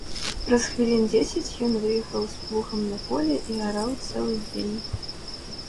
Праз хвілін дзесяць ён выехаў з плугам на поле і араў цэлы дзень.